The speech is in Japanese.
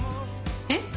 えっ？